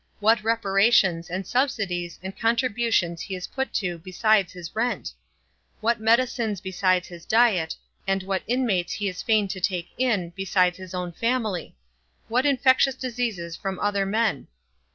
What reparations, and subsidies, and contributions he is put to, besides his rent! What medicines besides his diet; and what inmates he is fain to take in, besides his own family; what infectious diseases from other men!